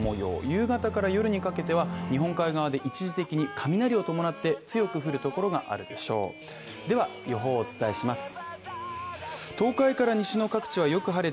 夕方から夜にかけては日本海側で一時的に雷を伴って強く降るところがあるでしょうでは、予報をお伝えします。